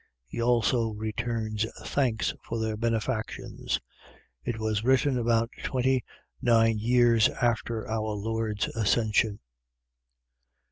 He also returns thanks for their benefactions. It was written about twenty nine years after our Lord's Ascension.